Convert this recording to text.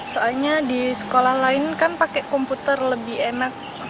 soalnya di sekolah lain kan pakai komputer lebih enak